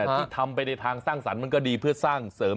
ที่ทำไปในทางสร้างสรรค์มันก็ดีเพื่อสร้างเสริม